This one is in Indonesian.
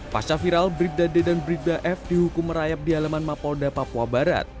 pasca viral bribda d dan bribda f dihukum merayap di halaman mapolda papua barat